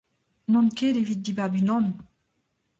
N'on ket evit dibab unan !